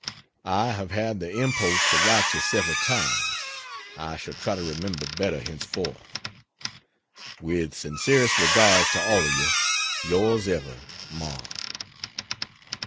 I have had the impulse to write you several times. I shall try to remember better henceforth. With sincerest regards to all of you, Yours as ever, MARK.